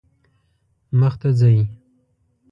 مخ ته ځئ